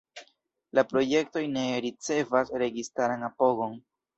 La projektoj ne ricevas registaran apogon.